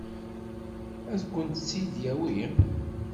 Ad kent-tt-id-yawi?